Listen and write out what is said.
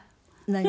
何？